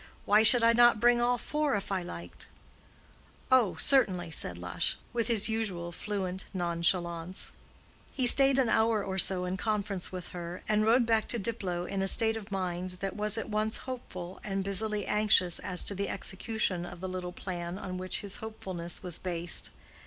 Why should I not bring all four if I liked?" "Oh, certainly," said Lush, with his usual fluent nonchalance. He stayed an hour or so in conference with her, and rode back to Diplow in a state of mind that was at once hopeful and busily anxious as to the execution of the little plan on which his hopefulness was based.